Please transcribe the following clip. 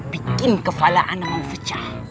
bikin kepala anak mau pecah